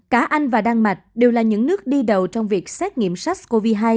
cả anh và đan mạch đều là những nước đi đầu trong việc xét nghiệm sars cov hai